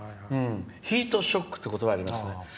ヒートショックっていう言葉がありますね。